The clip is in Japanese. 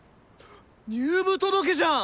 入部届じゃん！